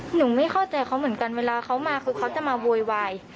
ไม่เข้าใจเขาเหมือนกันเวลาเขามาคือเขาจะมาโวยวาย